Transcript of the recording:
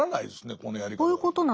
このやり方だと。